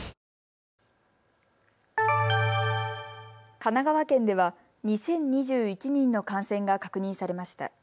神奈川県では２０２１人の感染が確認されました。